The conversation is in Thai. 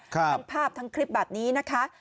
ทั้งภาพทั้งคลิปแบบนี้นะคะ